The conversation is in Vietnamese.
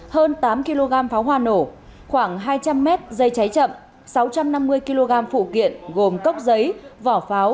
hơn tám kg pháo hoa nổ khoảng hai trăm linh mét dây cháy chậm sáu trăm năm mươi kg phụ kiện gồm cốc giấy vỏ pháo